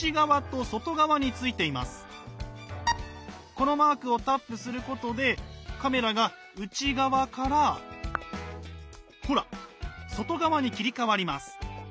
このマークをタップすることでカメラが内側からほら外側に切り替わります。